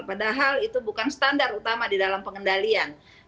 padahal itu bukan standar utama di dalam pengendalian